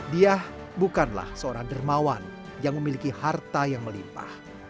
diah bukanlah seorang dermawan yang memiliki harta yang melimpah